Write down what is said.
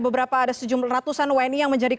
beberapa ada sejumlah ratusan wni yang menjadi